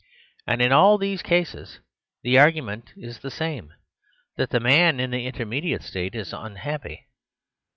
And in all these cases the argument is the same ; that the man in the in termediate state is unhappy.